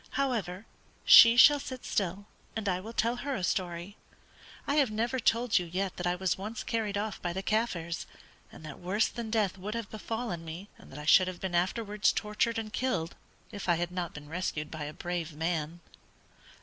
However, she shall sit still, and I will tell her a story. I have never told you yet that I was once carried off by the Kaffirs, and that worse than death would have befallen me, and that I should have been afterwards tortured and killed, if I had not been rescued by a brave man."